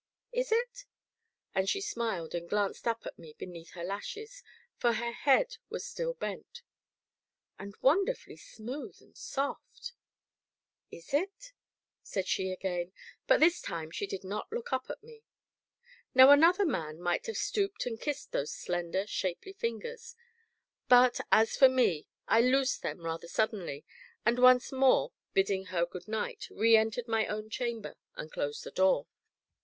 "Is it?" and she smiled and glanced up at me beneath her lashes, for her head was still bent. "And wonderfully smooth and soft!" "Is it?" said she again, but this time she did not look up at me. Now another man might have stooped and kissed those slender, shapely fingers but, as for me, I loosed them, rather suddenly, and, once more bidding her good night, re entered my own chamber, and closed the door.